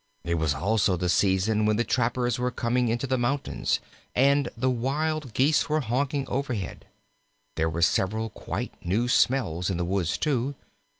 It was also the season when the trappers were coming into the mountains, and the Wild Geese were honking overhead. There were several quite new smells in the woods, too.